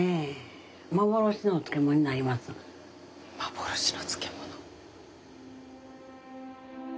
幻の漬物。